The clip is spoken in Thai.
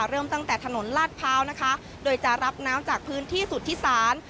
เริ่มตั้งแต่ถนนลาดพร้าวนะคะโดยจะรับน้ำจากพื้นที่สุทธิศาล